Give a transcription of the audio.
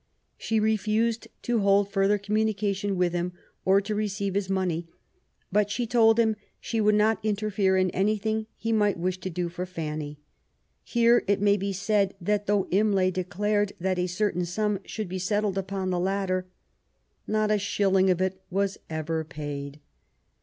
She refused to hold further communication with him, or to receive bis money ; but she told him she would not interfere in anything he might wish to do for Fanny. Here it may be said that, though Imlay declared that a certain sum should be settled upon the latter, not a shilling of it was ever paid.